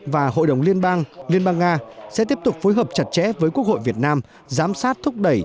và hội đồng liên bang liên bang nga sẽ tiếp tục phối hợp chặt chẽ với quốc hội việt nam giám sát thúc đẩy